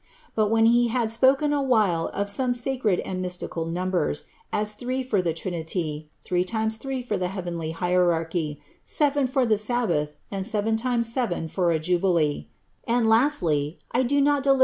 Bui when he hid spoken awliile of some sacred and mystical numbers, as three for iht Trinilj , dirce limes three for the heavenly hierarchy, seven for ihe tab bath, and seven times seven for a jubilee ; and lastly — I do not deh'f • JaniL'i I.